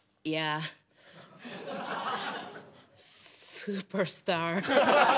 スーパースター。